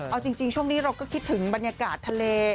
เอาจริงช่วงนี้เราก็คิดถึงบรรยากาศทะเล